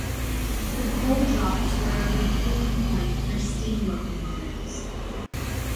The coal drops were a refuelling point for steam locomotives.